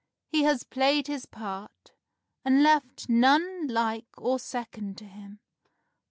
He has played his part, and left none like or second to him.